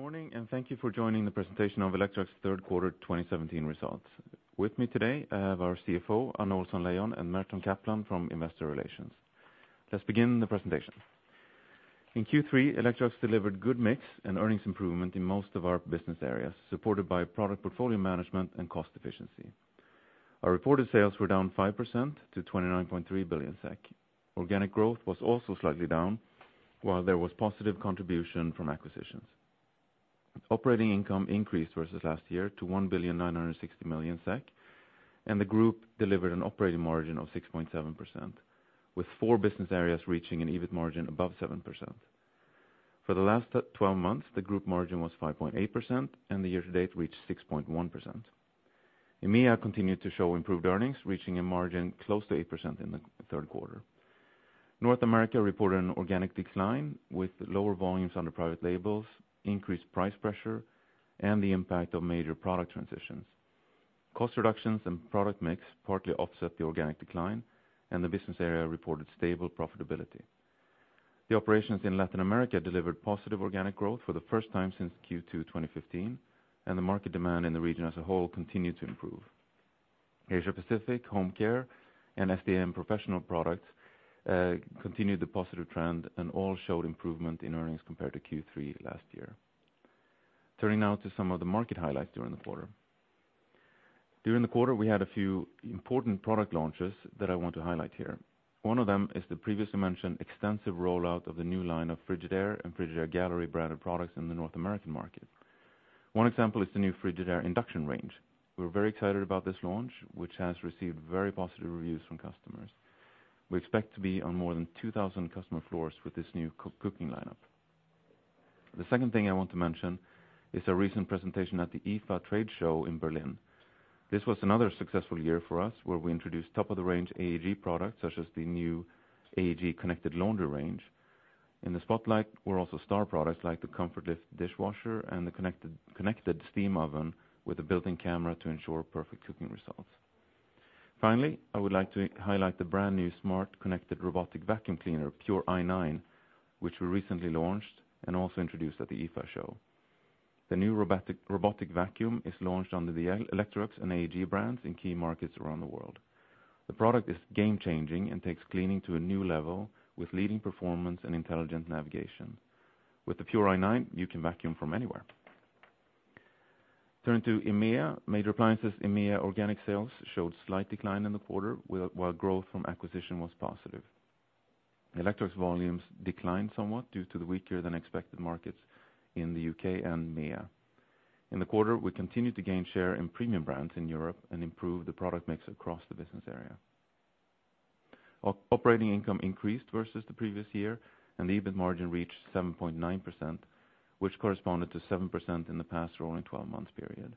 Good morning, and thank you for joining the presentation of Electrolux Q3 2017 results. With me today, I have our CFO, Anna Ohlsson-Leijon, and Mårten Kapran from Investor Relations. Let's begin the presentation. In Q3, Electrolux delivered good mix and earnings improvement in most of our business areas, supported by product portfolio management and cost efficiency. Our reported sales were down 5% to 29.3 billion SEK. Organic growth was also slightly down, while there was positive contribution from acquisitions. Operating income increased versus last year to 1,960 million SEK, and the group delivered an operating margin of 6.7%, with four business areas reaching an EBIT margin above 7%. For the last twelve months, the group margin was 5.8%, and the year-to-date reached 6.1%. EMEA continued to show improved earnings, reaching a margin close to 8% in the Q3. North America reported an organic decline, with lower volumes under private labels, increased price pressure, and the impact of major product transitions. Cost reductions and product mix partly offset the organic decline, and the business area reported stable profitability. The operations in Latin America delivered positive organic growth for the first time since Q2 2015, and the market demand in the region as a whole continued to improve. Asia Pacific, Home Care, and SDM Professional Products continued the positive trend, and all showed improvement in earnings compared to Q3 last year. Turning now to some of the market highlights during the quarter. During the quarter, we had a few important product launches that I want to highlight here. One of them is the previously mentioned extensive rollout of the new line of Frigidaire and Frigidaire Gallery branded products in the North American market. One example is the new Frigidaire induction range. We're very excited about this launch, which has received very positive reviews from customers. We expect to be on more than 2,000 customer floors with this new co- cooking lineup. The second thing I want to mention is a recent presentation at the IFA trade show in Berlin. This was another successful year for us, where we introduced top-of-the-range AEG products, such as the new AEG connected laundry range. In the spotlight were also star products like the ComfortLift dishwasher and the connected steam oven with a built-in camera to ensure perfect cooking results. Finally, I would like to highlight the brand new smart, connected robotic vacuum cleaner, Pure i9, which we recently launched and also introduced at the IFA show. The new robotic vacuum is launched under the Electrolux and AEG brands in key markets around the world. The product is game-changing and takes cleaning to a new level with leading performance and intelligent navigation. With the Pure i9, you can vacuum from anywhere. Turning to EMEA, Major Appliances, EMEA organic sales showed slight decline in the quarter, while growth from acquisition was positive. Electrolux volumes declined somewhat due to the weaker than expected markets in the U.K. and EMEA. In the quarter, we continued to gain share in premium brands in Europe and improve the product mix across the business area. Operating income increased versus the previous year, and the EBIT margin reached 7.9%, which corresponded to 7% in the past rolling twelve-month period.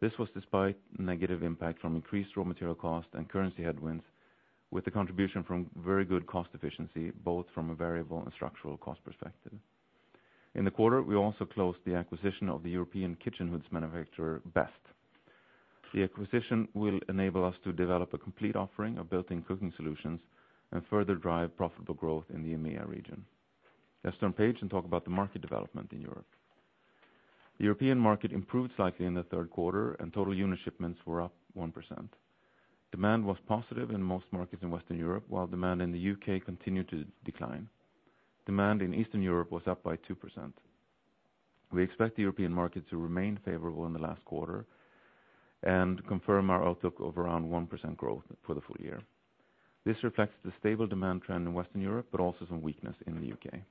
This was despite negative impact from increased raw material cost and currency headwinds, with the contribution from very good cost efficiency, both from a variable and structural cost perspective. In the quarter, we also closed the acquisition of the European kitchen hoods manufacturer, Best. The acquisition will enable us to develop a complete offering of built-in cooking solutions and further drive profitable growth in the EMEA region. Let's turn page and talk about the market development in Europe. The European market improved slightly in the Q3, and total unit shipments were up 1%. Demand was positive in most markets in Western Europe, while demand in the U.K. continued to decline. Demand in Eastern Europe was up by 2%. We expect the European market to remain favorable in the last quarter and confirm our outlook of around 1% growth for the full year. This reflects the stable demand trend in Western Europe, but also some weakness in the U.K.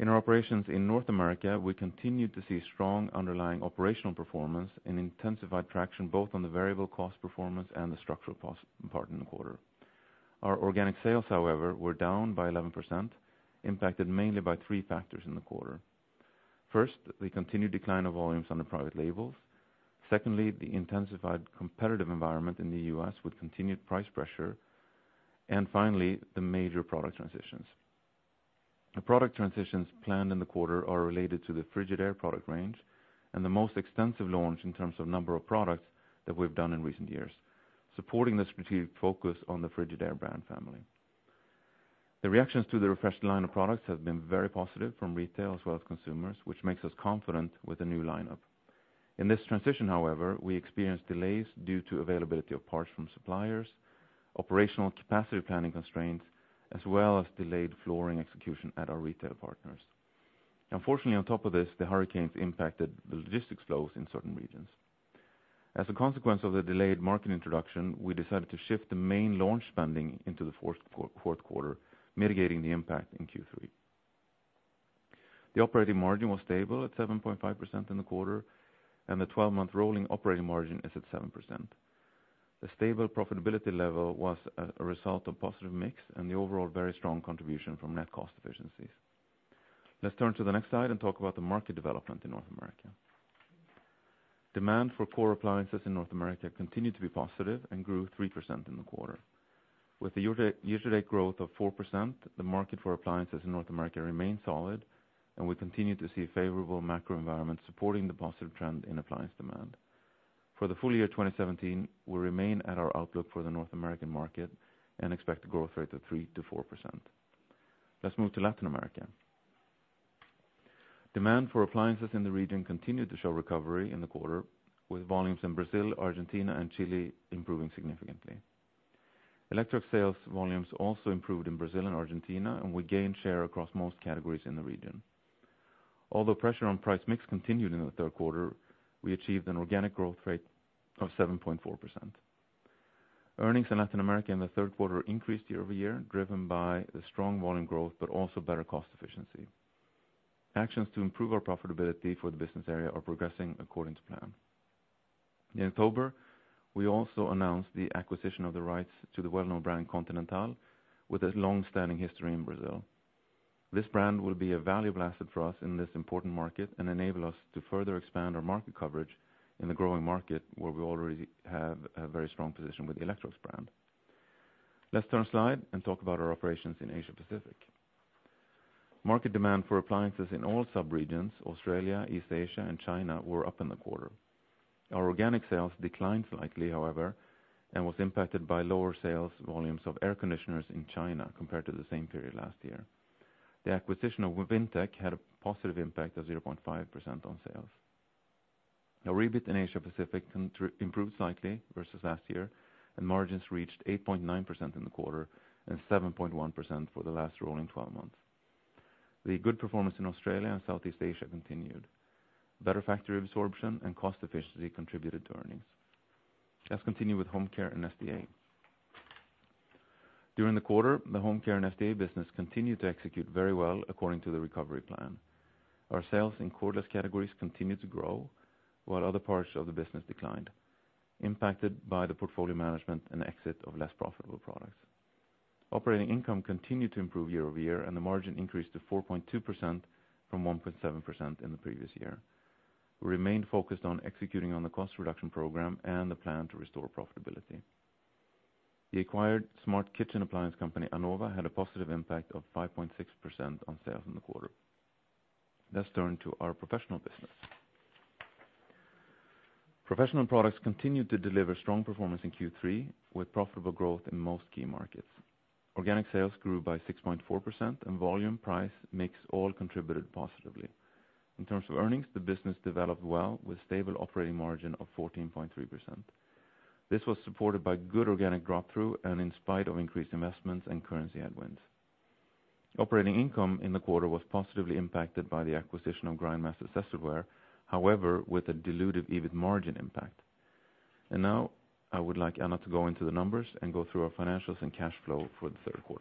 In our operations in North America, we continued to see strong underlying operational performance and intensified traction, both on the variable cost performance and the structural part in the quarter. Our organic sales, however, were down by 11%, impacted mainly by three factors in the quarter. First, the continued decline of volumes on the private labels. Secondly, the intensified competitive environment in the U.S. with continued price pressure. Finally, the major product transitions. The product transitions planned in the quarter are related to the Frigidaire product range and the most extensive launch in terms of number of products that we've done in recent years, supporting the strategic focus on the Frigidaire brand family. The reactions to the refreshed line of products have been very positive from retail as well as consumers, which makes us confident with the new lineup. In this transition, however, we experienced delays due to availability of parts from suppliers, operational capacity planning constraints, as well as delayed flooring execution at our retail partners. Unfortunately, on top of this, the hurricanes impacted the logistics flows in certain regions. As a consequence of the delayed market introduction, we decided to shift the main launch spending into the Q4, mitigating the impact in Q3. The operating margin was stable at 7.5% in the quarter, and the 12-month rolling operating margin is at 7%. The stable profitability level was a result of positive mix and the overall very strong contribution from net cost efficiencies. Let's turn to the next slide and talk about the market development in North America. Demand for core appliances in North America continued to be positive and grew 3% in the quarter. With the year-to-date growth of 4%, the market for appliances in North America remains solid, and we continue to see a favorable macro environment supporting the positive trend in appliance demand. For the full year 2017, we remain at our outlook for the North American market and expect a growth rate of 3%–4%. Let's move to Latin America. Demand for appliances in the region continued to show recovery in the quarter, with volumes in Brazil, Argentina, and Chile improving significantly. Electrolux sales volumes also improved in Brazil and Argentina, and we gained share across most categories in the region. Although pressure on price mix continued in the Q3, we achieved an organic growth rate of 7.4%. Earnings in Latin America in the Q3 increased year-over-year, driven by the strong volume growth, but also better cost efficiency. Actions to improve our profitability for the business area are progressing according to plan. In October, we also announced the acquisition of the rights to the well-known brand Continental, with a long-standing history in Brazil. This brand will be a valuable asset for us in this important market and enable us to further expand our market coverage in the growing market, where we already have a very strong position with the Electrolux brand. Let's turn slide and talk about our operations in Asia Pacific. Market demand for appliances in all sub-regions, Australia, East Asia, and China, were up in the quarter. Our organic sales declined slightly, however, and was impacted by lower sales volumes of air conditioners in China compared to the same period last year. The acquisition of Vintec had a positive impact of 0.5% on sales. EBIT in Asia Pacific improved slightly versus last year, and margins reached 8.9% in the quarter and 7.1% for the last rolling 12 months. The good performance in Australia and Southeast Asia continued. Better factory absorption and cost efficiency contributed to earnings. Let's continue with Home Care and SDA. During the quarter, the Home Care and SDA business continued to execute very well according to the recovery plan. Our sales in cordless categories continued to grow, while other parts of the business declined, impacted by the portfolio management and exit of less profitable products. Operating income continued to improve year-over-year, and the margin increased to 4.2% from 1.7% in the previous year. We remain focused on executing on the cost reduction program and the plan to restore profitability. The acquired smart kitchen appliance company, Anova, had a positive impact of 5.6% on sales in the quarter. Let's turn to our professional business. Professional products continued to deliver strong performance in Q3, with profitable growth in most key markets. Organic sales grew by 6.4%, and volume price mix all contributed positively. In terms of earnings, the business developed well with stable operating margin of 14.3%. This was supported by good organic drop-through, and in spite of increased investments and currency headwinds. Operating income in the quarter was positively impacted by the acquisition of Grindmaster-Cecilware, however, with a dilutive EBIT margin impact. Now, I would like Anna to go into the numbers and go through our financials and cash flow for the Q3.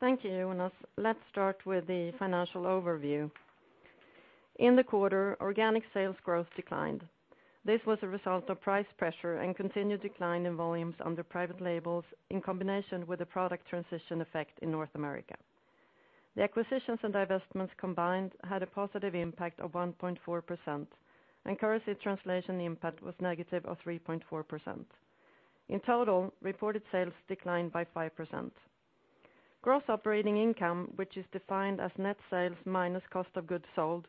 Thank you, Jonas. Let's start with the financial overview. In the quarter, organic sales growth declined. This was a result of price pressure and continued decline in volumes under private labels, in combination with a product transition effect in North America. The acquisitions and divestments combined had a positive impact of 1.4%. Currency translation impact was negative of 3.4%. In total, reported sales declined by 5%. Gross operating income, which is defined as net sales minus cost of goods sold,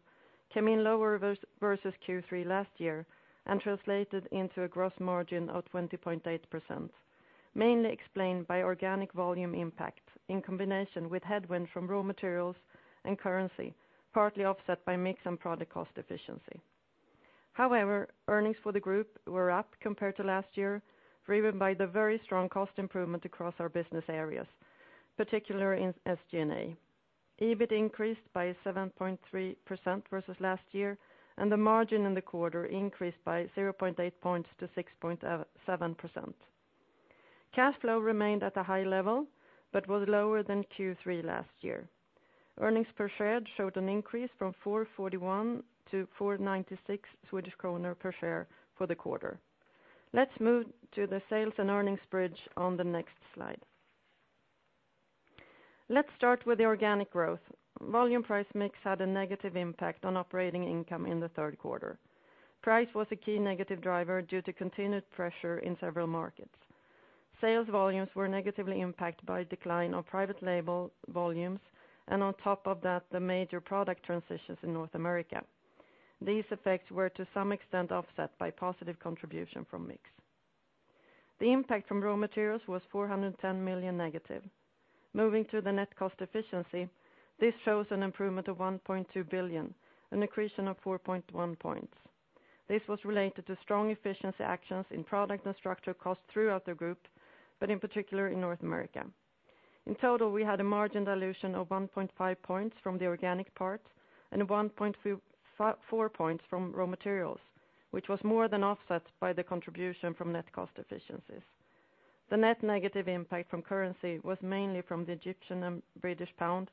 came in lower versus Q3 last year and translated into a gross margin of 20.8%, mainly explained by organic volume impact in combination with headwind from raw materials and currency, partly offset by mix and product cost efficiency. Earnings for the group were up compared to last year, driven by the very strong cost improvement across our business areas, particularly in SG&A. EBIT increased by 7.3% versus last year, the margin in the quarter increased by 0.8 points to 6.7%. Cash flow remained at a high level, was lower than Q3 last year. Earnings per share showed an increase from 441–496 Swedish kronor per share for the quarter. Let's move to the sales and earnings bridge on the next slide. Let's start with the organic growth. Volume price mix had a negative impact on operating income in the Q3. Price was a key negative driver due to continued pressure in several markets. Sales volumes were negatively impacted by a decline of private label volumes, and on top of that, the major product transitions in North America. These effects were, to some extent, offset by positive contribution from mix. The impact from raw materials was 410 million negative. Moving to the net cost efficiency, this shows an improvement of 1.2 billion, an accretion of 4.1 points. This was related to strong efficiency actions in product and structure cost throughout the group, but in particular in North America. In total, we had a margin dilution of 1.5 points from the organic part and 1.4 points from raw materials, which was more than offset by the contribution from net cost efficiencies. The net negative impact from currency was mainly from the Egyptian and British pound,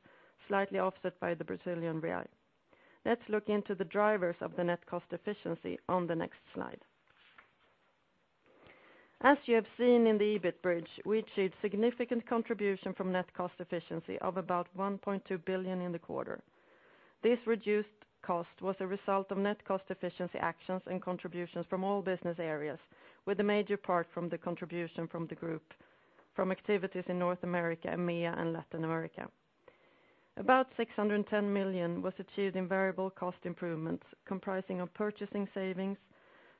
slightly offset by the Brazilian real. Let's look into the drivers of the net cost efficiency on the next slide. As you have seen in the EBIT bridge, we achieved significant contribution from net cost efficiency of about 1.2 billion in the quarter. This reduced cost was a result of net cost efficiency actions and contributions from all business areas, with a major part from the contribution from the group, from activities in North America, EMEA, and Latin America. About 610 million was achieved in variable cost improvements, comprising of purchasing savings,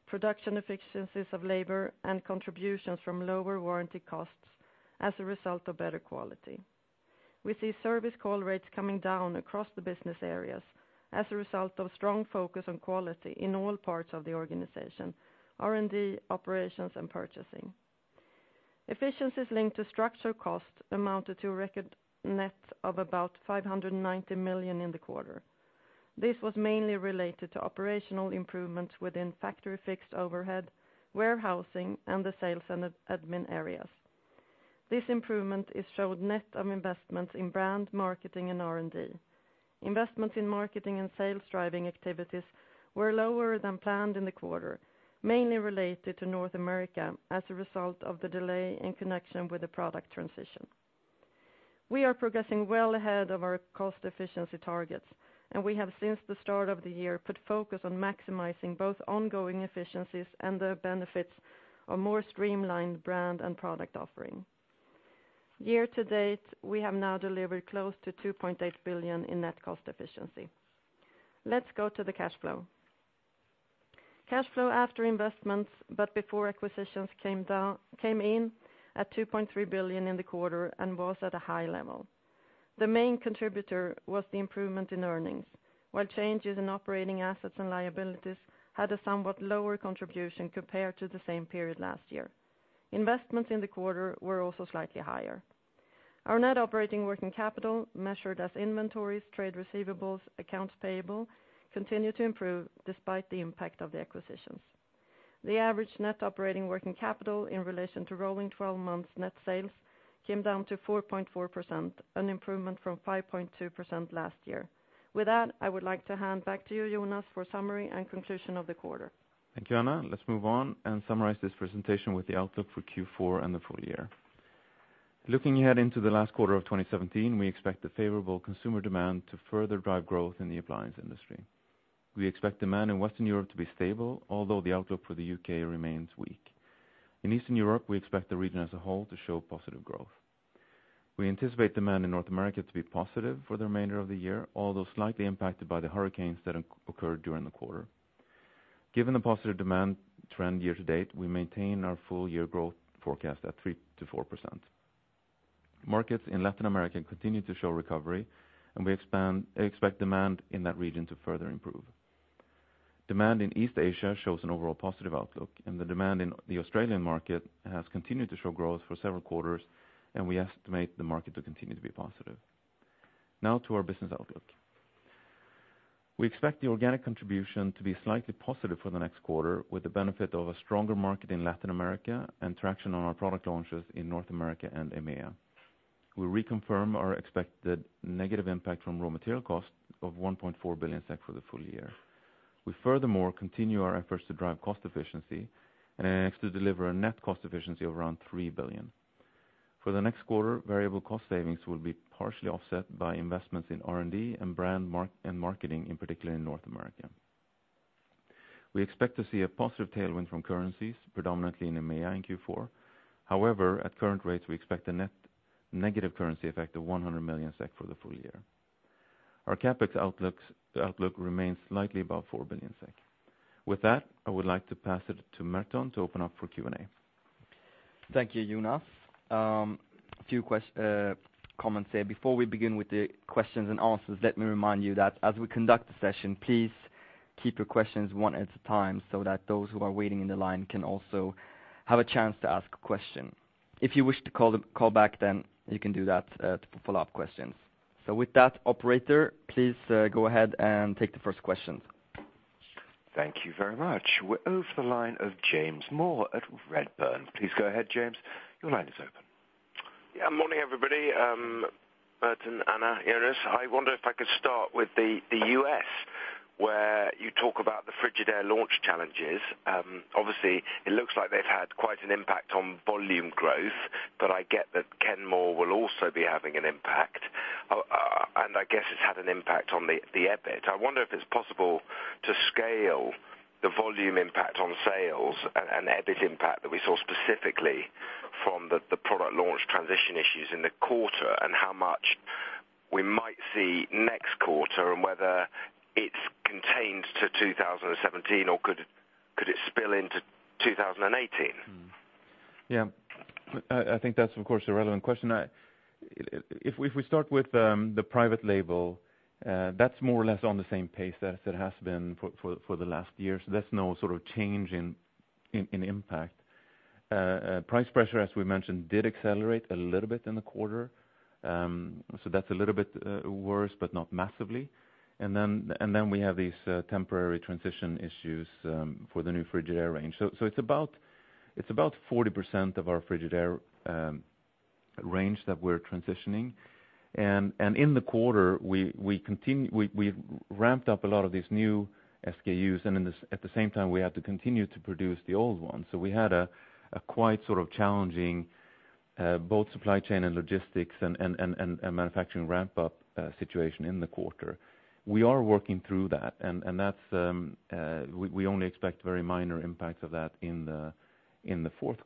production efficiencies of labor, and contributions from lower warranty costs as a result of better quality. We see service call rates coming down across the business areas as a result of strong focus on quality in all parts of the organization, R&D, operations, and purchasing. Efficiencies linked to structural costs amounted to a record net of about 590 million in the quarter. This was mainly related to operational improvements within factory fixed overhead, warehousing, and the sales and admin areas. This improvement is showed net of investments in brand, marketing, and R&D. Investments in marketing and sales driving activities were lower than planned in the quarter, mainly related to North America as a result of the delay in connection with the product transition. We are progressing well ahead of our cost efficiency targets. We have, since the start of the year, put focus on maximizing both ongoing efficiencies and the benefits of more streamlined brand and product offering. Year to date, we have now delivered close to 2.8 billion in net cost efficiency. Let's go to the cash flow. Cash flow after investments, but before acquisitions came down, came in at 2.3 billion in the quarter and was at a high level. The main contributor was the improvement in earnings, while changes in operating assets and liabilities had a somewhat lower contribution compared to the same period last year. Investments in the quarter were also slightly higher. Our net operating working capital, measured as inventories, trade receivables, accounts payable, continued to improve despite the impact of the acquisitions. The average net operating working capital in relation to rolling 12 months net sales came down to 4.4%, an improvement from 5.2% last year. With that, I would like to hand back to you, Jonas, for summary and conclusion of the quarter. Thank you, Anna. Let's move on and summarize this presentation with the outlook for Q4 and the full year. Looking ahead into the last quarter of 2017, we expect the favorable consumer demand to further drive growth in the appliance industry. We expect demand in Western Europe to be stable, although the outlook for the U.K. remains weak. In Eastern Europe, we expect the region as a whole to show positive growth. We anticipate demand in North America to be positive for the remainder of the year, although slightly impacted by the hurricanes that occurred during the quarter. Given the positive demand trend year-to-date, we maintain our full year growth forecast at 3%–4%. Markets in Latin America continue to show recovery, and we expect demand in that region to further improve. Demand in East Asia shows an overall positive outlook, the demand in the Australian market has continued to show growth for several quarters, we estimate the market to continue to be positive. To our business outlook. We expect the organic contribution to be slightly positive for the next quarter, with the benefit of a stronger market in Latin America and traction on our product launches in North America and EMEA. We reconfirm our expected negative impact from raw material costs of 1.4 billion SEK for the full year. We furthermore continue our efforts to drive cost efficiency and aims to deliver a net cost efficiency of around 3 billion. For the next quarter, variable cost savings will be partially offset by investments in R&D and brand marketing, in particular in North America. We expect to see a positive tailwind from currencies, predominantly in EMEA in Q4. At current rates, we expect a net negative currency effect of 100 million SEK for the full year. Our CapEx outlooks, the outlook remains slightly above 4 billion SEK. With that, I would like to pass it to Mårten to open up for Q&A. Thank you, Jonas. a few comments there. Before we begin with the questions and answers, let me remind you that as we conduct the session, please keep your questions one at a time, so that those who are waiting in the line can also have a chance to ask a question. If you wish to call them, call back, then you can do that to follow-up questions. With that, operator, please go ahead and take the first question. Thank you very much. We're off the line of James Moore at Redburn. Please go ahead, James. Your line is open. Morning, everybody, Mårten, Anna, Jonas. I wonder if I could start with the U.S., where you talk about the Frigidaire launch challenges. Obviously, it looks like they've had quite an impact on volume growth, but I get that Kenmore will also be having an impact. I guess it's had an impact on the EBIT. I wonder if it's possible to scale the volume impact on sales and EBIT impact that we saw specifically from the product launch transition issues in the quarter, and how much we might see next quarter, and whether it's contained to 2017, or could it spill into 2018? Yeah. I think that's, of course, a relevant question. If we, if we start with the private label, that's more or less on the same pace as it has been for the last year, so there's no sort of change in impact. Price pressure, as we mentioned, did accelerate a little bit in the quarter. So that's a little bit worse, but not massively. Then we have these temporary transition issues for the new Frigidaire range. It's about 40% of our Frigidaire range that we're transitioning. In the quarter we've ramped up a lot of these new SKUs, and at the same time, we had to continue to produce the old one. We had a quite sort of challenging, both supply chain and logistics and manufacturing ramp-up, situation in the quarter. We are working through that, and that's, we only expect very minor impacts of that in the Q4.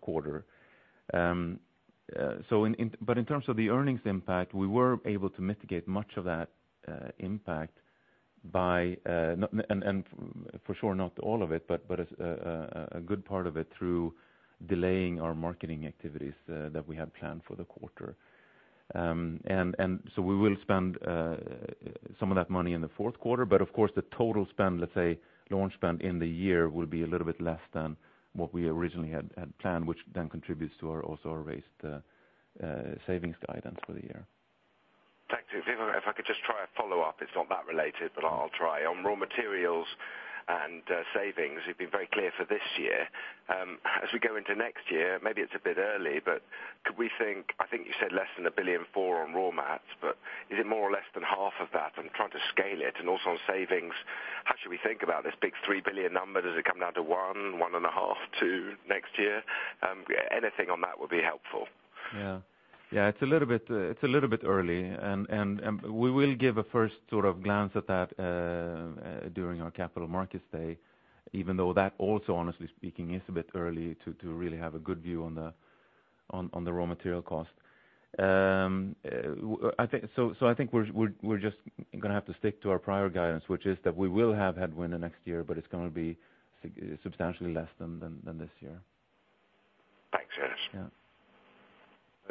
But in terms of the earnings impact, we were able to mitigate much of that, impact. By, not, and for sure, not all of it, but a good part of it through delaying our marketing activities, that we had planned for the quarter. We will spend some of that money in the Q4, but of course, the total spend, let's say, launch spend in the year will be a little bit less than what we originally had planned, which then contributes to our, also our raised, savings guidance for the year. Thanks. If I could just try a follow-up. It's not that related, but I'll try. On raw materials and savings, you've been very clear for this year. As we go into next year, maybe it's a bit early, but could we think? I think you said less than 1.4 billion on raw mats, but is it more or less than half of that? I'm trying to scale it. Also on savings, how should we think about this big 3 billion number? Does it come down to 1 billion, SEK 1.5 billion, 2 billion next year? Anything on that would be helpful. Yeah, it's a little bit, it's a little bit early. We will give a first sort of glance at that during our Capital Markets Day, even though that also, honestly speaking, is a bit early to really have a good view on the raw material cost. I think we're just gonna have to stick to our prior guidance, which is that we will have headwind next year, but it's gonna be substantially less than this year. Thanks, Jonas. Yeah.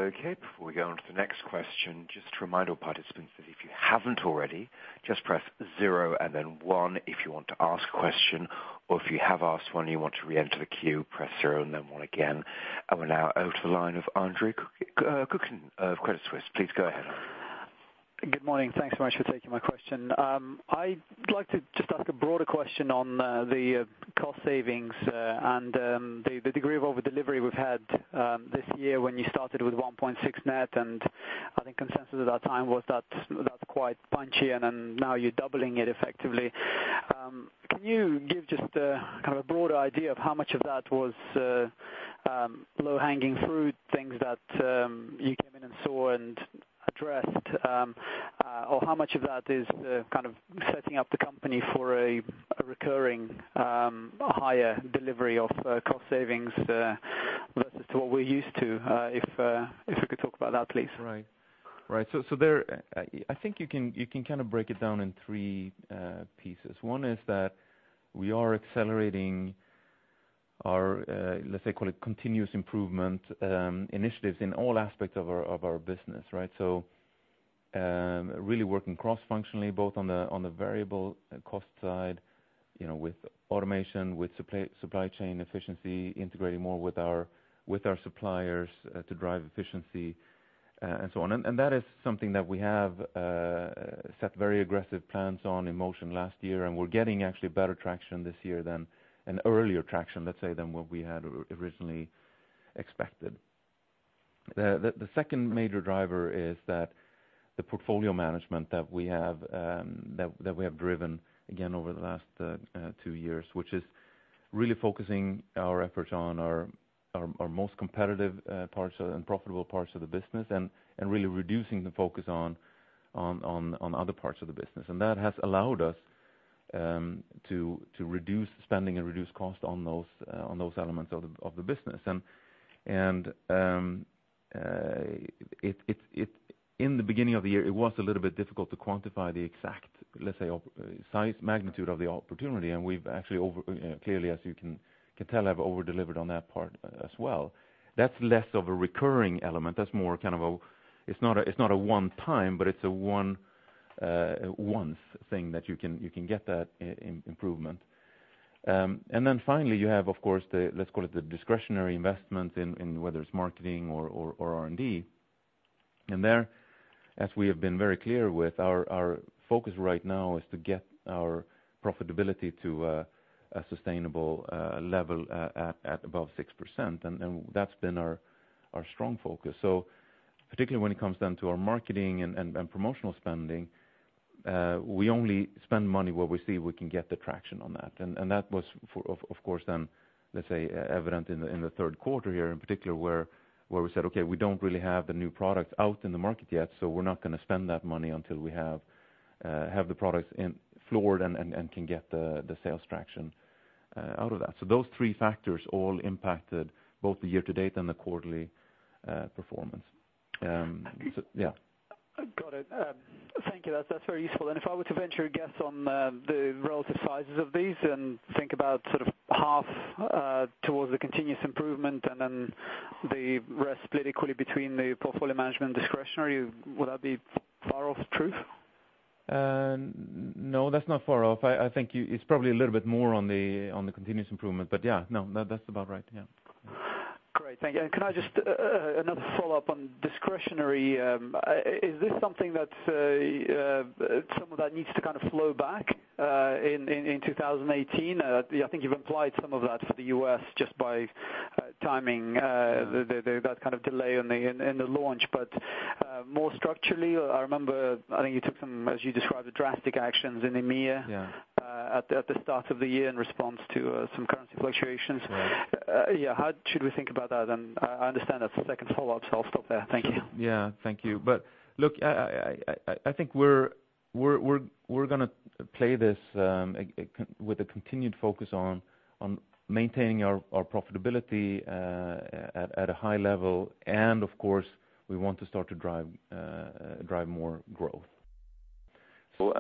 Okay, before we go on to the next question, just a reminder, participants, that if you haven't already, just press zero and then one if you want to ask a question, or if you have asked one and you want to reenter the queue, press zero and then one again. We're now over to the line of Andre Kukhnin, Cookin of Credit Suisse. Please go ahead. Good morning. Thanks so much for taking my question. I'd like to just ask a broader question on the cost savings and the degree of overdelivery we've had this year when you started with 1.6 net, and I think consensus at that time was that's quite punchy, and then now you're doubling it effectively. Can you give just a kind of a broad idea of how much of that was low-hanging fruit, things that you came in and saw and addressed? Or how much of that is kind of setting up the company for a recurring higher delivery of cost savings versus to what we're used to? If you could talk about that, please. Right. There, I think you can, you can kind of break it down in three pieces. One is that we are accelerating our, let's say, call it continuous improvement initiatives in all aspects of our business, right? Really working cross-functionally, both on the variable cost side, you know, with automation, with supply chain efficiency, integrating more with our suppliers, to drive efficiency, and so on. That is something that we have set very aggressive plans on in motion last year, and we're getting actually better traction this year than an earlier traction, let's say, than what we had originally expected. The second major driver is that the portfolio management that we have, that we have driven, again, over the last two years, which is really focusing our efforts on our most competitive parts and profitable parts of the business, and really reducing the focus on other parts of the business. That has allowed us to reduce spending and reduce cost on those elements of the business. In the beginning of the year, it was a little bit difficult to quantify the exact, let's say, size, magnitude of the opportunity, and we've actually over, clearly, as you can tell, have over-delivered on that part as well. That's less of a recurring element. That's more kind of a, it's not a one time, but it's a one once thing that you can get that improvement. Then finally, you have, of course, the, let's call it the discretionary investment in whether it's marketing or R&D. There, as we have been very clear with, our focus right now is to get our profitability to a sustainable level, at above 6%, and that's been our strong focus. Particularly when it comes down to our marketing and promotional spending, we only spend money where we see we can get the traction on that. That was for of course, let's say, evident in the Q3 here, in particular, where we said, "Okay, we don't really have the new products out in the market yet, so we're not gonna spend that money until we have the products in floored and can get the sales traction out of that." Those three factors all impacted both the year to date and the quarterly performance. Yeah. Got it. Thank you. That's very useful. If I were to venture a guess on the relative sizes of these and think about sort of half towards the continuous improvement, and then the rest split equally between the portfolio management discretionary, would that be far off truth? No, that's not far off. I think It's probably a little bit more on the continuous improvement, but yeah, no, that's about right. Yeah. Great. Thank you. Can I just another follow-up on discretionary? Is this something that some of that needs to kind of flow back in 2018? I think you've implied some of that for the U.S. just by timing the kind of delay in the launch. More structurally, I remember, I think you took some, as you described, the drastic actions in EMEA. Yeah At the start of the year in response to some currency fluctuations. Yeah. Yeah, how should we think about that? I understand that's a second follow-up, so I'll stop there. Thank you. Yeah. Thank you. Look, I think we're gonna play this with a continued focus on maintaining our profitability at a high level, and of course, we want to start to drive more growth.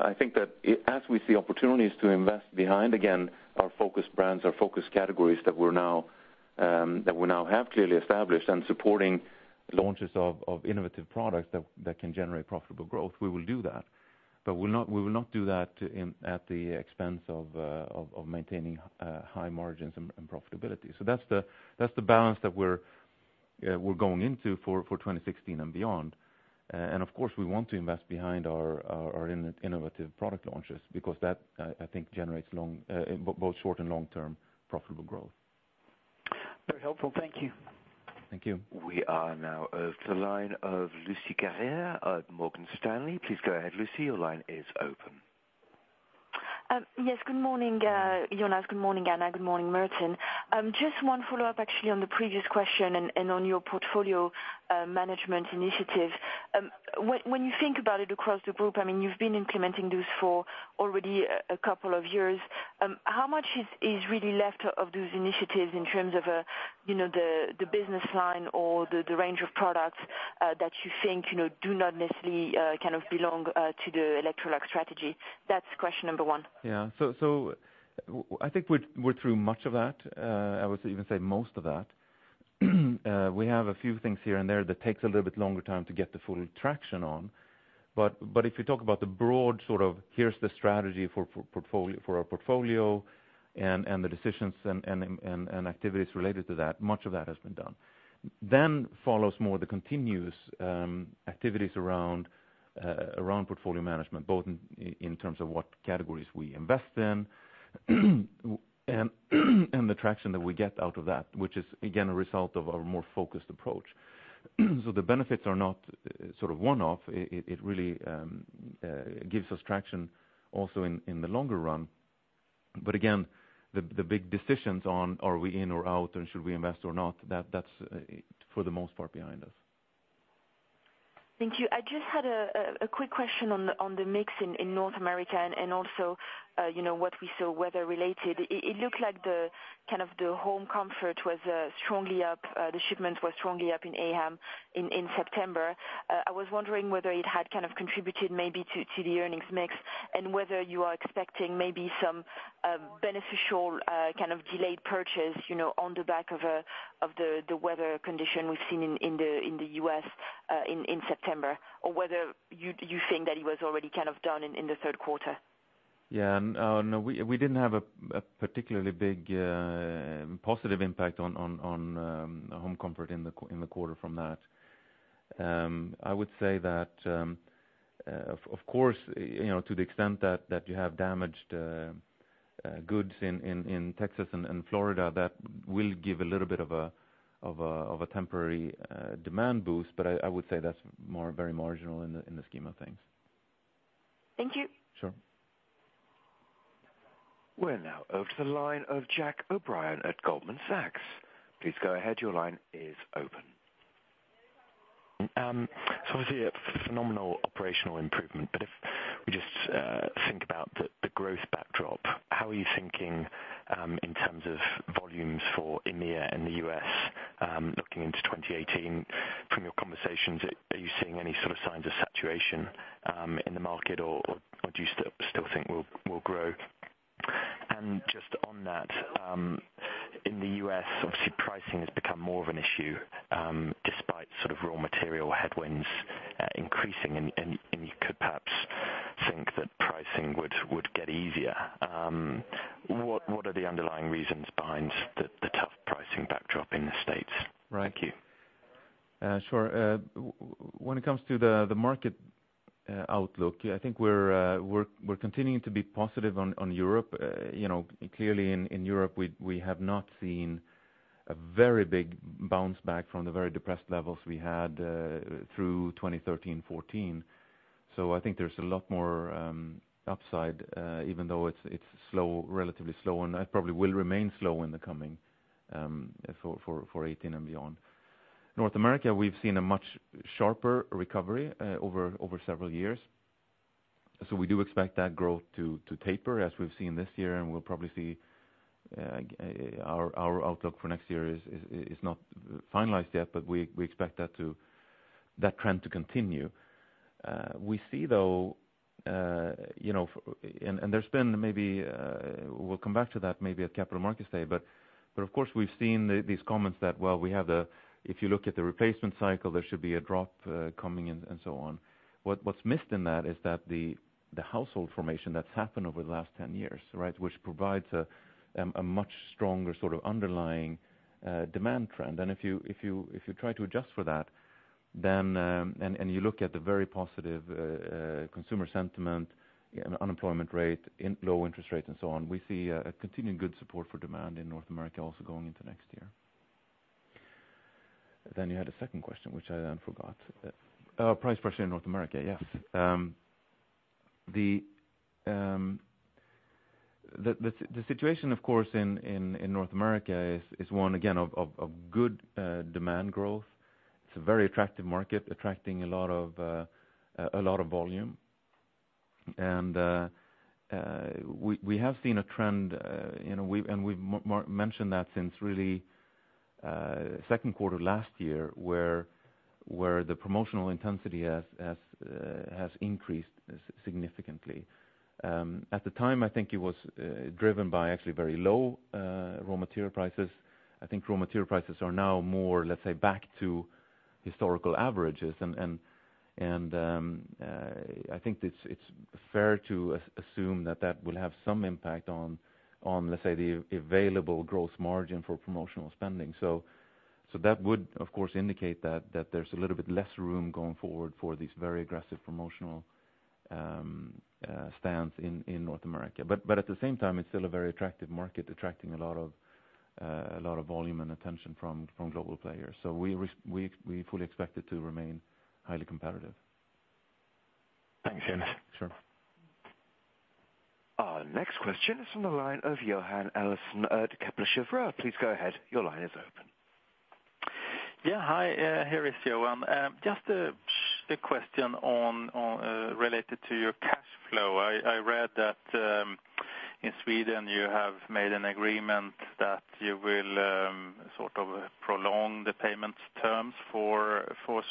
I think that as we see opportunities to invest behind, again, our focus brands, our focus categories that we're now that we now have clearly established and supporting launches of innovative products that can generate profitable growth, we will do that. We will not do that in, at the expense of maintaining high margins and profitability. That's the balance that we're going into for 2016 and beyond. Of course, we want to invest behind our innovative product launches, because that, I think, generates long, both short and long-term profitable growth. Very helpful. Thank you. Thank you. We are now to the line of Lucie Carrier at Morgan Stanley. Please go ahead, Lucie, your line is open. Yes. Good morning, Jonas. Good morning, Anna. Good morning, Mårten. Just one follow-up, actually, on the previous question and on your portfolio management initiative. When you think about it across the group, I mean, you've been implementing this for already a couple of years, how much is really left of those initiatives in terms of, you know, the business line or the range of products that you think, you know, do not necessarily kind of belong to the Electrolux strategy? That's question number one. Yeah. I think we're through much of that, I would even say most of that. We have a few things here and there that takes a little bit longer time to get the full traction on, but if you talk about the broad, sort of, here's the strategy for our portfolio and the decisions and activities related to that, much of that has been done. Follows more the continuous activities around portfolio management, both in terms of what categories we invest in, and the traction that we get out of that, which is, again, a result of our more focused approach. The benefits are not sort of one-off. It really gives us traction also in the longer run. Again, the big decisions on are we in or out, and should we invest or not, that's for the most part, behind us. Thank you. I just had a quick question on the mix in North America, and also, you know, what we saw weather-related. It looked like the kind of the home comfort was strongly up, the shipments were strongly up in AM in September. I was wondering whether it had kind of contributed maybe to the earnings mix, and whether you are expecting maybe some beneficial kind of delayed purchase, you know, on the back of the weather condition we've seen in the U.S. in September, or whether you think that it was already kind of done in the Q3? No, we didn't have a particularly big positive impact on home comfort in the quarter from that. I would say that of course, you know, to the extent that you have damaged goods in Texas and Florida, that will give a little bit of a temporary demand boost, but I would say that's more very marginal in the scheme of things. Thank you. Sure. We're now over to the line of Jack O'Brien at Goldman Sachs. Please go ahead, your line is open. Obviously, a phenomenal operational improvement, but if we just think about the growth backdrop, how are you thinking in terms of volumes for EMEA and the U.S., looking into 2018? From your conversations, are you seeing any sort of signs of saturation in the market, or do you still think we'll grow? Just on that, in the U.S., obviously pricing has become more of an issue, despite sort of raw material headwinds increasing, and you could perhaps think that pricing would get easier. What are the underlying reasons behind the tough pricing backdrop in the States? Right. Thank you. Sure. When it comes to the market outlook, I think we're continuing to be positive on Europe. You know, clearly in Europe, we have not seen a very big bounce back from the very depressed levels we had through 2013, 2014. I think there's a lot more upside, even though it's slow, relatively slow, and that probably will remain slow in the coming for 2018 and beyond. North America, we've seen a much sharper recovery over several years. We do expect that growth to taper, as we've seen this year, and we'll probably see. Our outlook for next year is not finalized yet, but we expect that trend to continue. We see, though, you know, and there's been maybe, we'll come back to that maybe at Capital Markets Day, but of course, we've seen these comments that, well, if you look at the replacement cycle, there should be a drop coming and so on. What's missed in that, is that the household formation that's happened over the last 10 years, right? Which provides a much stronger sort of underlying demand trend. If you try to adjust for that, then, and you look at the very positive consumer sentiment and unemployment rate, in low interest rates, and so on, we see a continuing good support for demand in North America also going into next year. You had a second question, which I then forgot. Price pressure in North America, yes. The situation, of course, in North America is one, again, of good demand growth. It's a very attractive market, attracting a lot of volume. We have seen a trend, you know, we've mentioned that since second quarter last year, where the promotional intensity has increased significantly. At the time, I think it was driven by actually very low raw material prices. I think raw material prices are now more, let's say, back to historical averages. I think it's fair to assume that that will have some impact on, let's say, the available gross margin for promotional spending. That would, of course, indicate that there's a little bit less room going forward for these very aggressive promotional stands in North America. At the same time, it's still a very attractive market, attracting a lot of volume and attention from global players. We fully expect it to remain highly competitive. Thanks, Jonas. Sure. Our next question is from the line of Johan Eliason at Kepler Cheuvreux. Please go ahead. Your line is open. Hi, here is Johan. Just a question related to your cash flow. I read that in Sweden, you have made an agreement that you will sort of prolong the payment terms for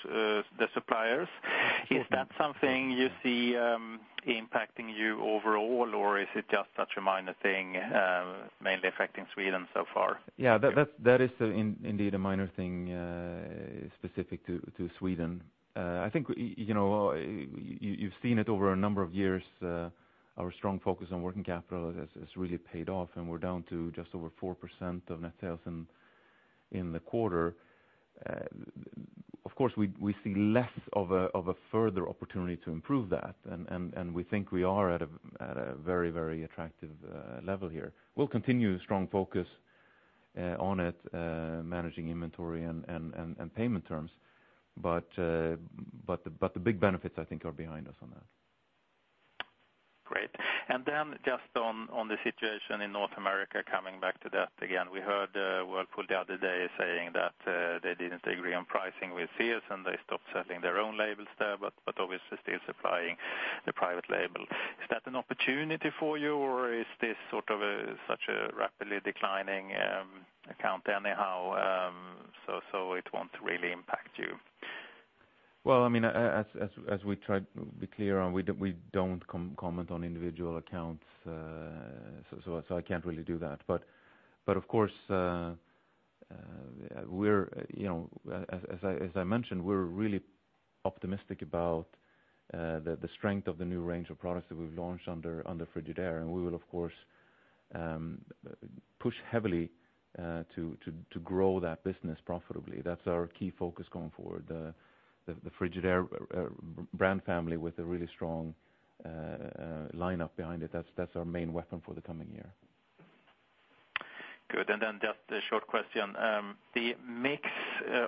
the suppliers. Is that something you see impacting you overall, or is it just such a minor thing, mainly affecting Sweden so far? That's, that is indeed a minor thing specific to Sweden. I think, you know, you've seen it over a number of years, our strong focus on working capital has really paid off, and we're down to just over 4% of net sales in the quarter. Of course, we see less of a further opportunity to improve that. We think we are at a very attractive level here. We'll continue strong focus on it, managing inventory and payment terms, but the big benefits, I think, are behind us on that. Great. Then just on the situation in North America, coming back to that again. We heard Whirlpool the other day saying that they didn't agree on pricing with Sears, and they stopped selling their own labels there, but obviously still supplying the private label. Is that an opportunity for you, or is this sort of such a rapidly declining account anyhow, so it won't really impact you? Well, I mean, as we tried to be clear on, we don't comment on individual accounts, so I can't really do that. Of course, we're, you know, as I mentioned, we're really optimistic about the strength of the new range of products that we've launched under Frigidaire, we will, of course, push heavily to grow that business profitably. That's our key focus going forward. The Frigidaire brand family with a really strong lineup behind it, that's our main weapon for the coming year. Good. Just a short question. The mix,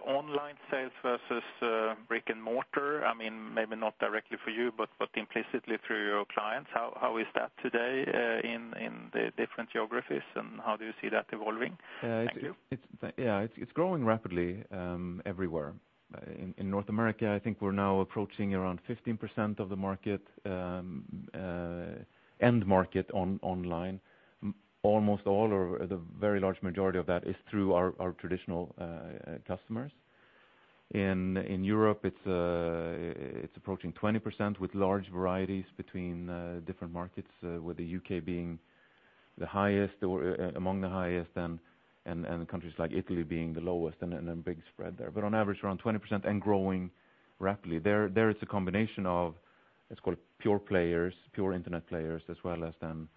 online sales versus brick-and-mortar, I mean, maybe not directly for you, but implicitly through your clients, how is that today, in the different geographies, and how do you see that evolving? Thank you. It's, yeah, it's growing rapidly everywhere. In North America, I think we're now approaching around 15% of the market, end market online. Almost all or the very large majority of that is through our traditional customers. In Europe, it's approaching 20%, with large varieties between different markets, with the U.K. being the highest or among the highest, and countries like Italy being the lowest, and a big spread there. On average, around 20% and growing rapidly. There is a combination of, let's call it, pure players, pure internet players, as well as then,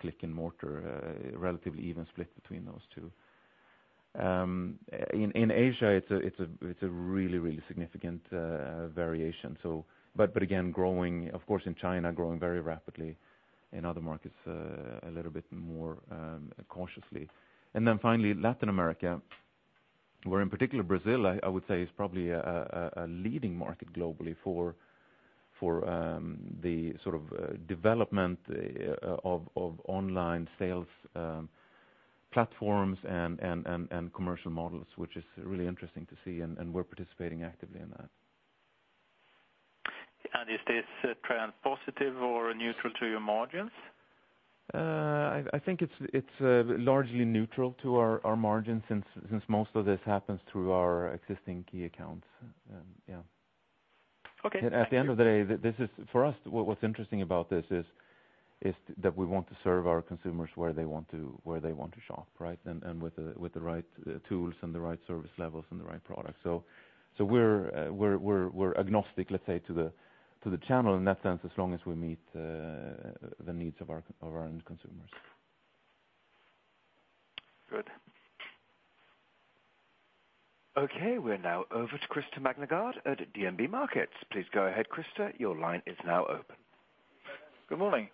click-and-mortar, relatively even split between those two. In Asia, it's a really, really significant variation, so. But again, growing, of course, in China, growing very rapidly, in other markets, a little bit more, cautiously. Finally, Latin America, where in particular, Brazil, I would say, is probably a leading market globally for the sort of development of online sales platforms and commercial models, which is really interesting to see, and we're participating actively in that. Is this trend positive or neutral to your margins? I think it's largely neutral to our margins, since most of this happens through our existing key accounts, yeah. Okay. At the end of the day, this is. For us, what's interesting about this is that we want to serve our consumers where they want to shop, right? With the right tools and the right service levels and the right products. We're agnostic, let's say, to the channel in that sense, as long as we meet the needs of our end consumers. Good. Okay, we're now over to Christer Magnergård at DNB Markets. Please go ahead, Christer. Your line is now open. Good morning.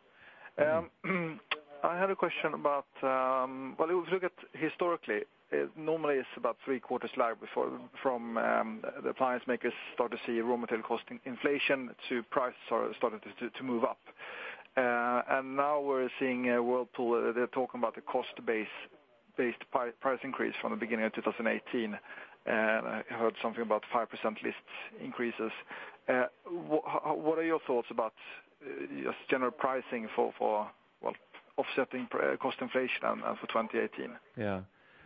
I had a question about, well, if you look at historically, normally it's about three quarters lag before from the appliance makers start to see raw material cost inflation to prices are started to move up. Now we're seeing Whirlpool, they're talking about the cost base, based price increase from the beginning of 2018. I heard something about 5% list increases. What are your thoughts about just general pricing for, well, offsetting cost inflation, as of 2018? Yeah.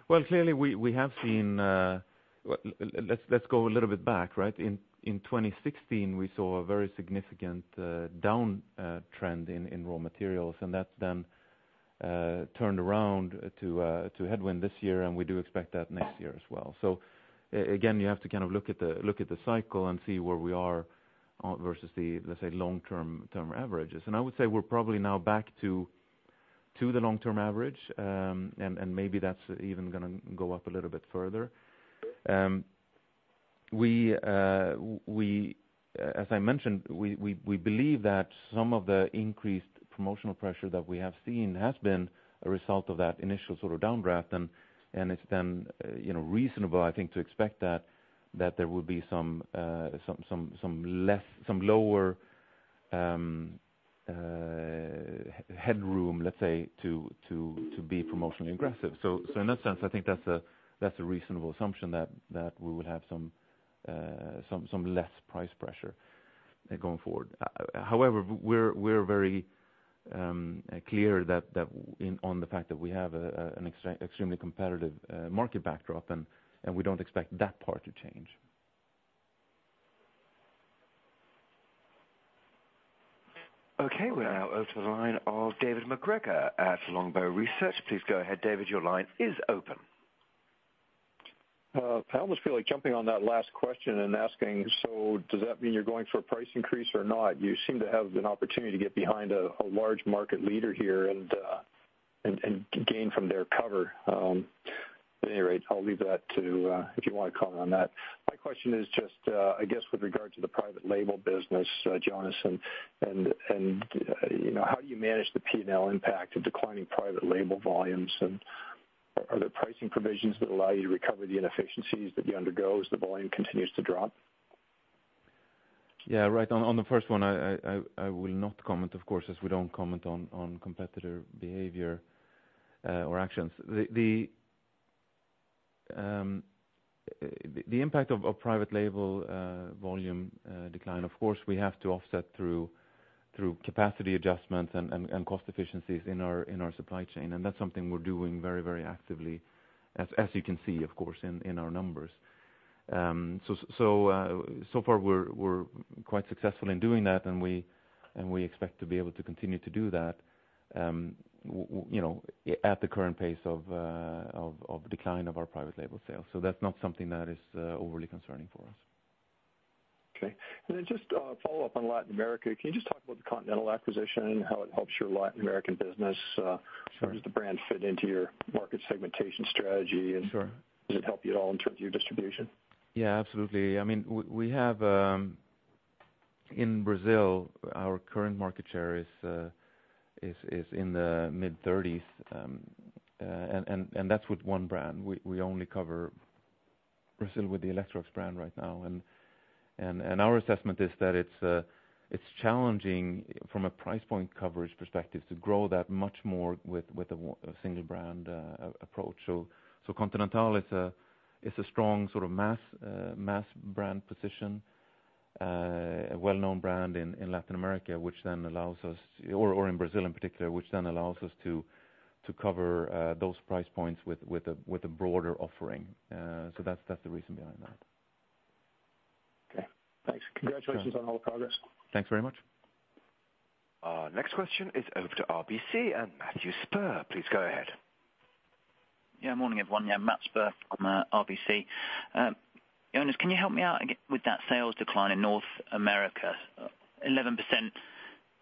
Well, clearly, we have seen, let's go a little bit back, right? In 2016, we saw a very significant down trend in raw materials, and that's then turned around to headwind this year, and we do expect that next year as well. Again, you have to kind of look at the cycle and see where we are on versus the, let's say, long-term averages. I would say we're probably now back to the long-term average. Maybe that's even gonna go up a little bit further. We, as I mentioned, we believe that some of the increased promotional pressure that we have seen has been a result of that initial sort of downdraft, and it's then, you know, reasonable, I think, to expect that there will be some less, some lower headroom, let's say, to be promotionally aggressive. In that sense, I think that's a reasonable assumption that we will have some less price pressure going forward. However, we're very clear that on the fact that we have an extremely competitive market backdrop, and we don't expect that part to change. We're now over to the line of David MacGregor at Longbow Research. Please go ahead, David, your line is open. I almost feel like jumping on that last question and asking: So, does that mean you're going for a price increase or not? You seem to have an opportunity to get behind a large market leader here, and gain from their cover. At any rate, I'll leave that to, if you wanna comment on that. My question is just, I guess, with regard to the private label business, Jonas, and, you know, how do you manage the P&L impact of declining private label volumes, and are there pricing provisions that allow you to recover the inefficiencies that you undergo as the volume continues to drop? Yeah, right. On the first one, I will not comment, of course, as we don't comment on competitor behavior or actions. The impact of private label volume decline, of course, we have to offset through capacity adjustments and cost efficiencies in our supply chain, and that's something we're doing very actively, as you can see, of course, in our numbers. So far, we're quite successful in doing that, and we expect to be able to continue to do that, you know, at the current pace of decline of our private label sales. That's not something that is overly concerning for us. Okay. Just follow up on Latin America. Can you just talk about the Continental acquisition and how it helps your Latin American business? Sure. Where does the brand fit into your market segmentation strategy? Sure. Does it help you at all in terms of your distribution? Yeah, absolutely. I mean, we have in Brazil, our current market share is in the mid-30s, and that's with one brand. We only cover Brazil with the Electrolux brand right now. Our assessment is that it's challenging from a price point coverage perspective to grow that much more with a single brand approach. Continental is a strong sort of mass brand position, a well-known brand in Latin America, which then allows us or in Brazil in particular, which then allows us to cover those price points with a broader offering. That's the reason behind that. Okay, thanks. Sure. Congratulations on all the progress. Thanks very much. Our next question is over to RBC and Matthew Spurr. Please go ahead. Morning, everyone. Matthew Spurr from RBC. Jonas, can you help me out with that sales decline in North America? 11%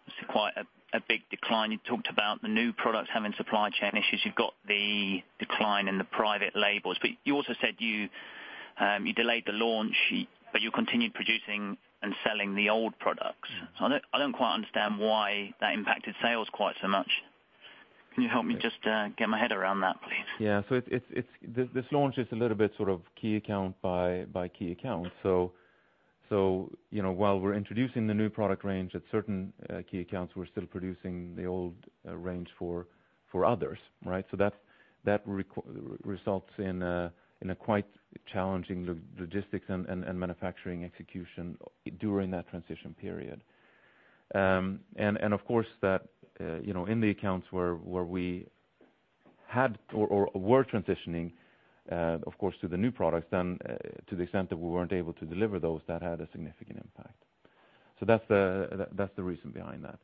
is quite a big decline. You talked about the new products having supply chain issues. You've got the decline in the private labels, but you also said you delayed the launch, but you continued producing and selling the old products. Mm-hmm. I don't quite understand why that impacted sales quite so much. Can you help me just get my head around that, please? Yeah. It's this launch is a little bit sort of key account by key account. You know, while we're introducing the new product range at certain key accounts, we're still producing the old range for others, right? That results in a quite challenging logistics and manufacturing execution during that transition period. And, of course, that, you know, in the accounts where we had or were transitioning, of course, to the new products, then, to the extent that we weren't able to deliver those, that had a significant impact. That's the reason behind that.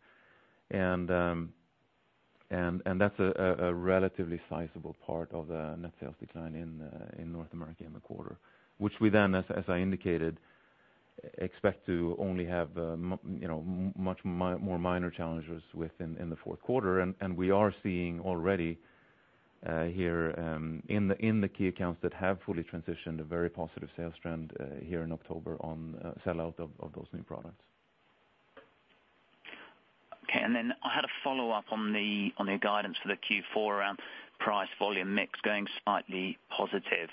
That's a relatively sizable part of the net sales decline in North America in the quarter, which we then, as I indicated, expect to only have you know, much more minor challenges within, in the Q4. We are seeing already here in the key accounts that have fully transitioned, a very positive sales trend here in October on sellout of those new products. I had a follow-up on the, on your guidance for the Q4 around price volume mix going slightly positive.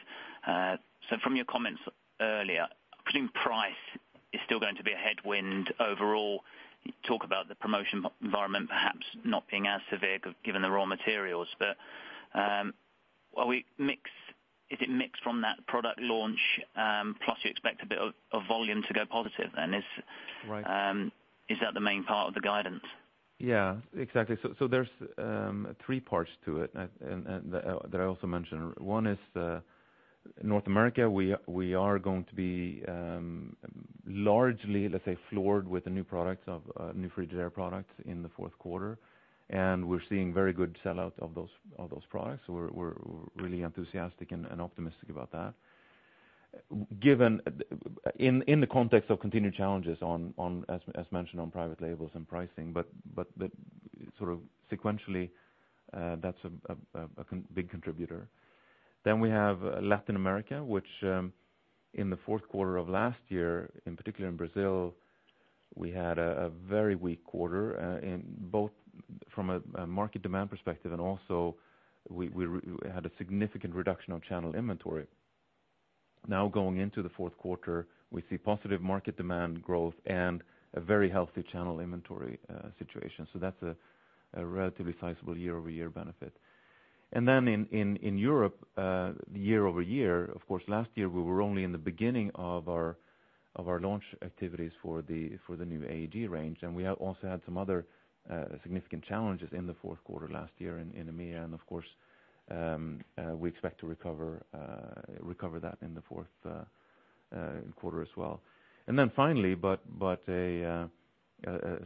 From your comments earlier, assuming price is still going to be a headwind overall, you talk about the promotion environment perhaps not being as severe, given the raw materials. Is it mixed from that product launch, plus you expect a bit of volume to go positive then? Right. Is that the main part of the guidance? Yeah, exactly. There's three parts to it, and that I also mentioned. One is North America, we are going to be largely, let's say, floored with the new products of new Frigidaire products in the Q4, and we're seeing very good sellout of those products. We're really enthusiastic and optimistic about that. Given in the context of continued challenges on, as mentioned, on private labels and pricing, sort of sequentially, that's a big contributor. We have Latin America, which in the Q4 of last year, in particular in Brazil, we had a very weak quarter in both from a market demand perspective, and also we had a significant reduction on channel inventory. Going into the Q4, we see positive market demand growth and a very healthy channel inventory situation. That's a relatively sizable year-over-year benefit. Then in Europe, year over year, of course, last year, we were only in the beginning of our launch activities for the new AEG range, and we have also had some other significant challenges in the Q4 last year in EMEA, and of course, we expect to recover that in the Q4 as well. Then finally, but a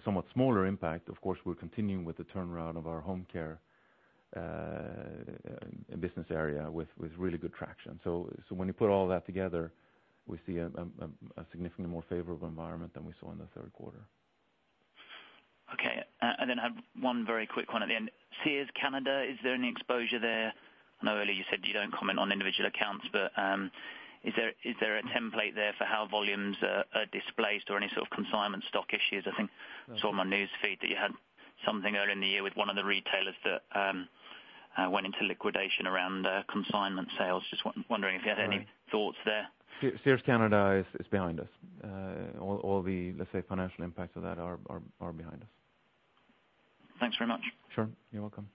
somewhat smaller impact, of course, we're continuing with the turnaround of our home care business area with really good traction. When you put all that together, we see a significantly more favorable environment than we saw in the Q3. Okay. I have one very quick one at the end. Sears Canada, is there any exposure there? I know earlier you said you don't comment on individual accounts, is there a template there for how volumes are displaced or any sort of consignment stock issues? Mm. I saw on my newsfeed that you had something earlier in the year with one of the retailers that went into liquidation around consignment sales. Just wondering. Right If you had any thoughts there. Sears Canada is behind us. All the, let's say, financial impacts of that are behind us. Thanks very much. Sure. You're welcome.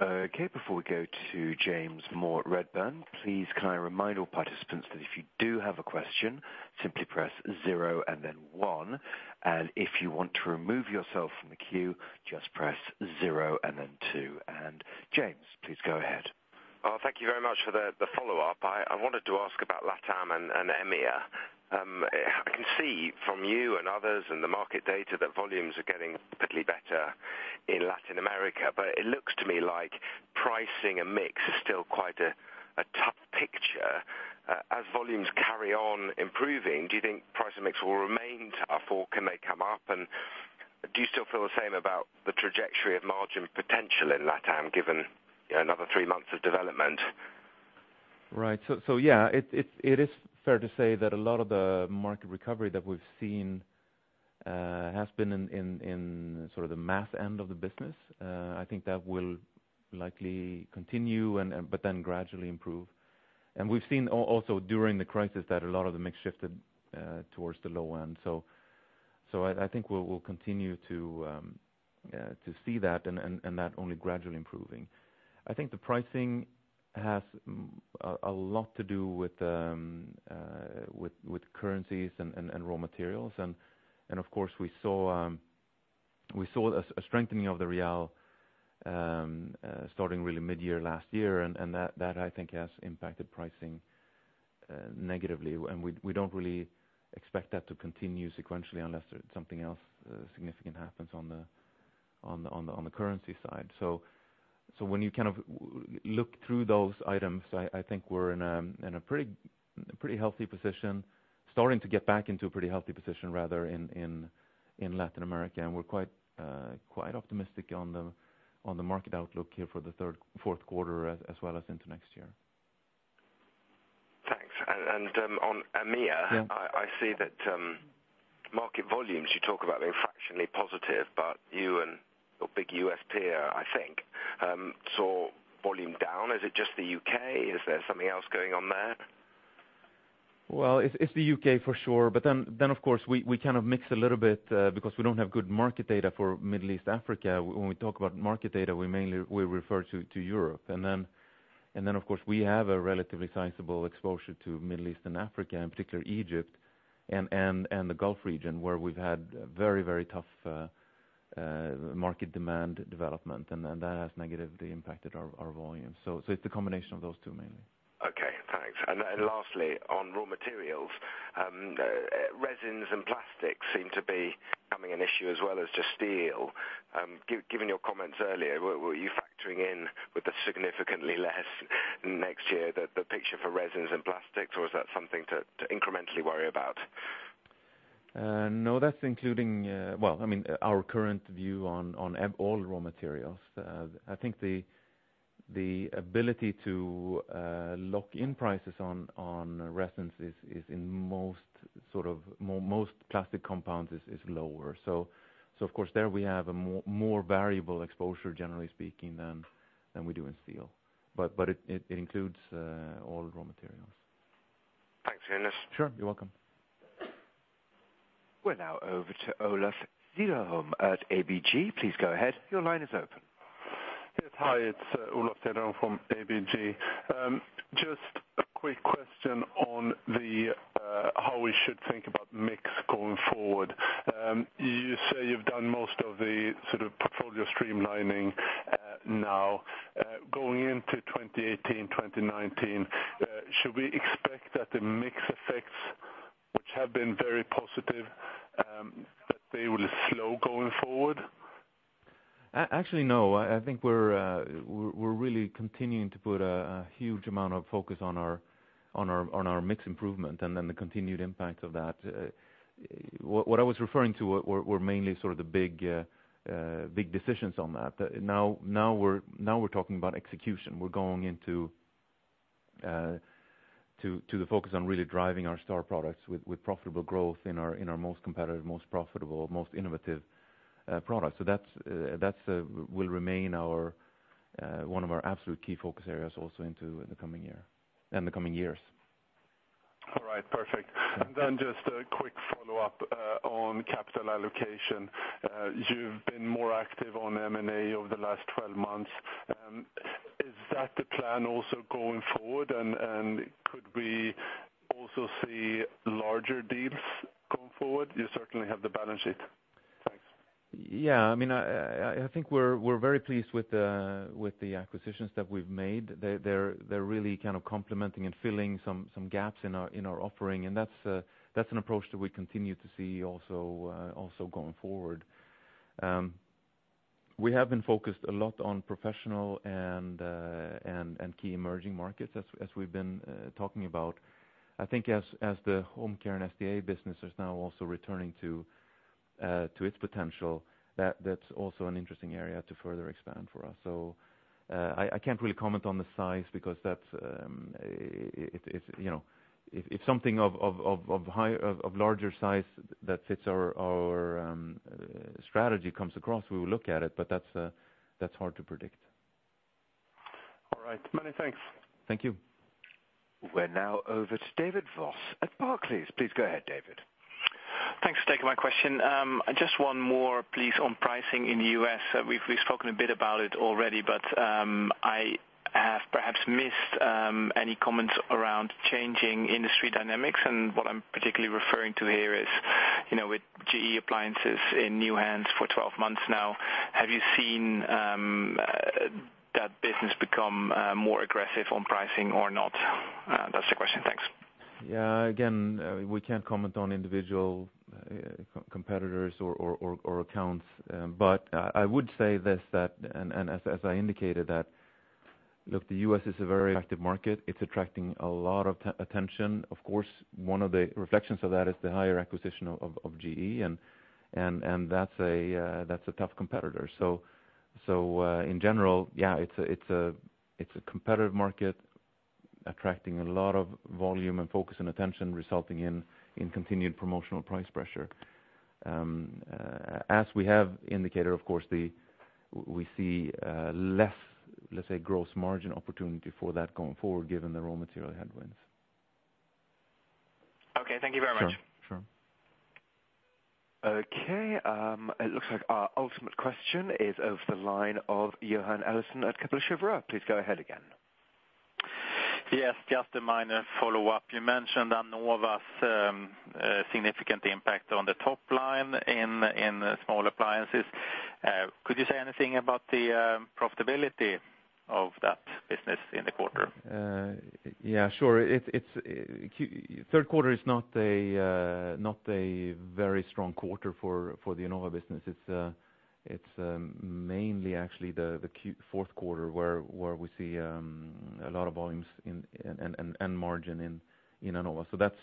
Okay. Before we go to James Moore at Redburn, please can I remind all participants that if you do have a question, simply press 0 and then 1, if you want to remove yourself from the queue, just press 0 and then 2. James, please go ahead. Thank you very much for the follow-up. I wanted to ask about Latam and EMEA. I can see from you and others in the market data that volumes are getting slightly better in Latin America, but it looks to me like pricing and mix is still quite a tough picture. As volumes carry on improving, do you think price and mix will remain tough, or can they come up, and do you still feel the same about the trajectory of margin potential in Latam, given, you know, another three months of development? Right. Yeah, it is fair to say that a lot of the market recovery that we've seen has been in sort of the mass end of the business. I think that will likely continue and, but then gradually improve. We've seen also during the crisis, that a lot of the mix shifted towards the low end. I think we'll continue to see that, and that only gradually improving. I think the pricing has a lot to do with currencies and raw materials, and of course, we saw a strengthening of the Brazilian real starting really mid-year last year, and that I think has impacted pricing negatively. We don't really expect that to continue sequentially unless something else significant happens on the currency side. When you kind of look through those items, I think we're in a pretty healthy position, starting to get back into a pretty healthy position, rather, in Latin America, and we're quite optimistic on the market outlook here for the Q3, Q4, as well as into next year. Thanks. On EMEA. Yeah I see that market volumes, you talk about them fractionally positive, but you and your big U.S. peer, I think, saw volume down. Is it just the U.K.? Is there something else going on there? It's, it's the U.K. for sure, but then of course, we kind of mix a little bit, because we don't have good market data for Middle East/Africa. When we talk about market data, we mainly, we refer to Europe. Of course, we have a relatively sizable exposure to Middle East and Africa, in particular Egypt and the Gulf region, where we've had very tough, market demand development, and then that has negatively impacted our volumes. It's a combination of those two mainly. Okay, thanks. Lastly, on raw materials, resins and plastics seem to be becoming an issue as well as just steel. given your comments earlier, were you factoring in with the significantly less next year, the picture for resins and plastics, or is that something to incrementally worry about? No, that's including, well, I mean, our current view on all raw materials. I think the ability to lock in prices on resins is in most plastic compounds is lower. Of course, there we have a more variable exposure, generally speaking, than we do in steel. It includes all raw materials. Thanks, Jonas. Sure. You're welcome. We're now over to Olof Cederholm at ABG. Please go ahead. Your line is open. Yes, hi. It's Olof Cederholm from ABG. Just a quick question on how we should think about mix going forward. You say you've done most of the sort of portfolio streamlining now. Going into 2018, 2019, should we expect that the mix effects, which have been very positive, that they will slow going forward? Actually, no. I think we're really continuing to put a huge amount of focus on our mix improvement and then the continued impact of that. What I was referring to were mainly sort of the big decisions on that. Now we're talking about execution. We're going into the focus on really driving our star products with profitable growth in our most competitive, most profitable, most innovative products. That's will remain our one of our absolute key focus areas also into the coming year and the coming years. All right, perfect. Just a quick follow-up on capital allocation. You've been more active on M&A over the last 12 months. Is that the plan also going forward? Could we also see larger deals going forward? You certainly have the balance sheet. Thanks. I think we're very pleased with the acquisitions that we've made. They're really kind of complementing and filling some gaps in our, in our offering, and that's an approach that we continue to see also going forward. We have been focused a lot on professional and key emerging markets, as we've been talking about. I think as the home care and SDA business is now also returning to its potential, that's also an interesting area to further expand for us. I can't really comment on the size because that's, it, you know, if something of high, of larger size that fits our strategy comes across, we will look at it, but that's hard to predict. All right, many thanks. Thank you. We're now over to David Vos at Barclays. Please go ahead, David. Thanks for taking my question. Just 1 more, please, on pricing in the U.S. We've spoken a bit about it already, but I have perhaps missed any comments around changing industry dynamics. What I'm particularly referring to here is, you know, with GE Appliances in new hands for 12 months now, have you seen that business become more aggressive on pricing or not? That's the question. Thanks. Yeah, again, we can't comment on individual competitors or accounts. I would say this, that as I indicated, look, the U.S. is a very active market. It's attracting a lot of attention. Of course, one of the reflections of that is the higher acquisition of GE, and that's a tough competitor. In general, yeah, it's a competitive market, attracting a lot of volume and focus and attention, resulting in continued promotional price pressure. As we have indicated, of course, we see less, let's say, gross margin opportunity for that going forward, given the raw material headwinds. Okay. Thank you very much. Sure. Sure. It looks like our ultimate question is over the line of Johan Eliason at Kepler Cheuvreux. Please go ahead again. Just a minor follow-up. You mentioned Anova's significant impact on the top line in small appliances. Could you say anything about the profitability of that business in the quarter? Yeah, sure. It's. Q3 is not a very strong quarter for the Anova business. It's mainly actually the Q4, where we see a lot of volumes and margin in Anova. That's,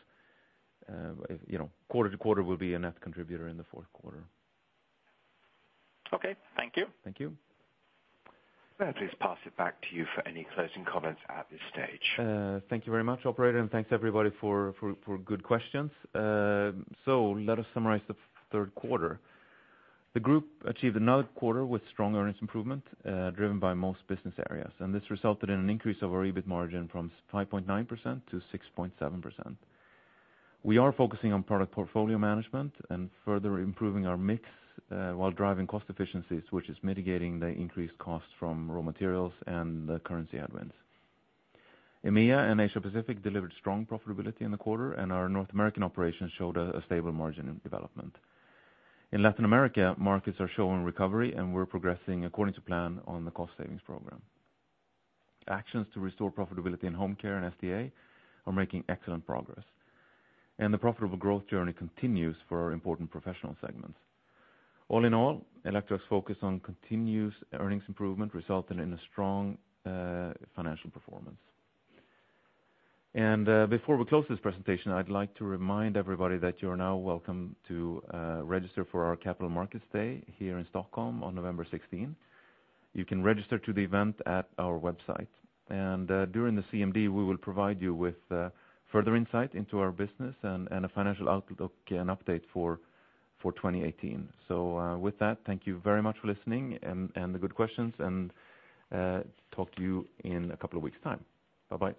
you know, quarter to quarter will be a net contributor in the Q4. Okay, thank you. Thank you. May I please pass it back to you for any closing comments at this stage. Thank you very much, operator, thanks, everybody, for good questions. Let us summarize the Q3. The group achieved another quarter with strong earnings improvement, driven by most business areas, this resulted in an increase of our EBIT margin from 5.9%–6.7%. We are focusing on product portfolio management and further improving our mix, while driving cost efficiencies, which is mitigating the increased costs from raw materials and the currency headwinds. EMEA and Asia Pacific delivered strong profitability in the quarter, our North American operations showed a stable margin in development. In Latin America, markets are showing recovery, we're progressing according to plan on the cost savings program. Actions to restore profitability in home care and SDA are making excellent progress, the profitable growth journey continues for our important professional segments. All in all, Electrolux focus on continuous earnings improvement resulted in a strong financial performance. Before we close this presentation, I'd like to remind everybody that you are now welcome to register for our Capital Markets Day here in Stockholm on November 16th. You can register to the event at our website. During the CMD, we will provide you with further insight into our business and a financial outlook and update for 2018. With that, thank you very much for listening and the good questions, and talk to you in a couple of weeks' time. Bye-bye.